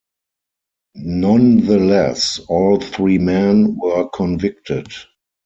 Nonetheless, all three men were convicted.